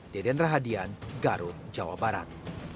deden rahadian garut jawa barat